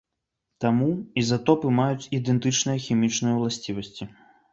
Таму, ізатопы маюць ідэнтычныя хімічныя ўласцівасці.